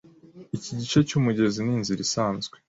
Iki gice cyumugezi ninzira isanzwe